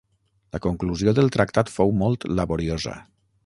La conclusió del tractat fou molt laboriosa.